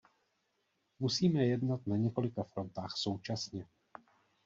Musíme jednat na několika frontách současně.